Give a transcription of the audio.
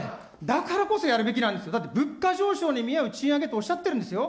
だからこそやるべきなんですよ、だって物価上昇に見合う賃上げとおっしゃってるんですよ。